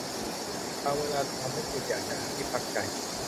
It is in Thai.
บางเวลาทำให้คุณอยากจะหาที่พักใจ